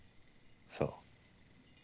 そう。